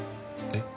え？